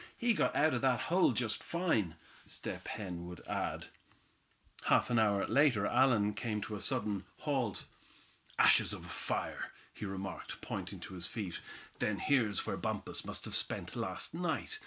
He got out of that hole just fine," Step Hen would add. Half an hour later, Allan came to a sudden halt. "Ashes of a fire!" he remarked, pointing to his feet. "Then here's where Bumpus must a spent last night?"